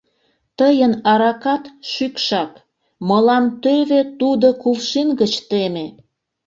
— Тыйын аракат шӱкшак, мылам тӧвӧ тудо кувшин гыч теме!